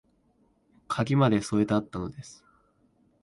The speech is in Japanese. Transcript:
鍵まで添えてあったのです